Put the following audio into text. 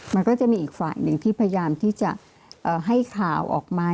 มันก็จะมีอีกฝ่ายหนึ่งที่พยายามที่จะให้ข่าวออกมา